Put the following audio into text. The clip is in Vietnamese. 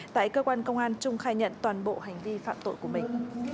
tại cơ quan công an trung khai nhận toàn bộ hành vi phạm tội của mình